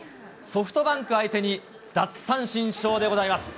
ソフトバンク相手に奪三振ショーでございます。